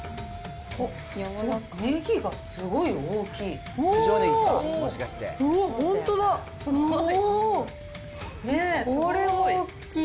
ネギがすごい大きい。